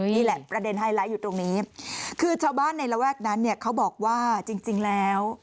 นี่แหละประเด็นไฮไลท์อยู่ตรงนี้คือชาวบ้านในระแวกนั้นเนี่ยเขาบอกว่าจริงแล้ว